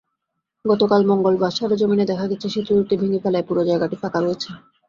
গতকাল মঙ্গলবার সরেজমিনে দেখা গেছে, সেতু দুটি ভেঙে ফেলায় পুরো জায়গাটি ফাঁকা রয়েছে।